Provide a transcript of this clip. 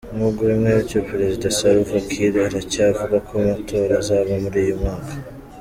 Nubwo bimwe bityo, Perezida Salva Kiir aracyavuga ko amatora azaba muri uyu mwaka.